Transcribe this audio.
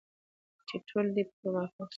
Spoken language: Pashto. چې ټول دې پرې موافق شي.